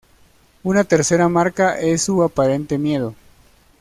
Una tercera marca es su aparente "miedo".